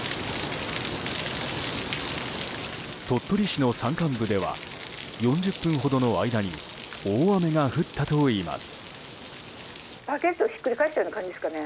鳥取市の山間部では４０分ほどの間に大雨が降ったといいます。